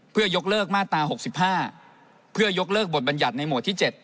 เพื่อยกเลิกมาตรา๖๕เพื่อยกเลิกบทบัญญัติในหมวดที่๗